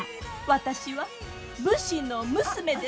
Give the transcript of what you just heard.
私は武士の娘ですよ！